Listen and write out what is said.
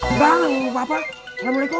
nggak mau apa apa